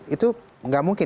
itu gak mungkin